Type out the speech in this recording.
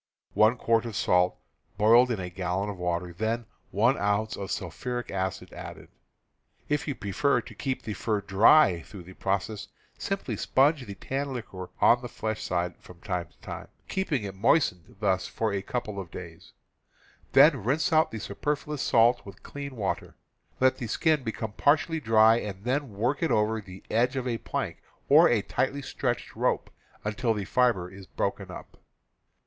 (One quart of salt boiled in a gallon of water, then 1 ounce of sulphuric acid added.) If you prefer to keep the fur dry through the process, simply sponge the tan liquor on the flesh side from time to time, keeping it moistened thus for 290 TANNING PELTS 291 a couple of days; then rinse out the superfluous salt with clear water. Let the skin become partially dry and then work it over the edge of a plank or a tightly stretched rope, until the fiber is broken up.